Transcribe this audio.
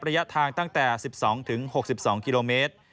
ระยะทางตั้งแต่๑๒๖๒กิโลเมตร